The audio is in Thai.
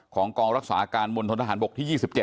ของกองรักษาการมนตรฐานบกที่๒๗